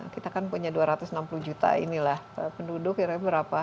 kita kan punya dua ratus enam puluh juta inilah penduduk kira kira berapa